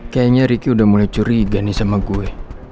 kayaknya ricky udah mulai curiga nih sama gue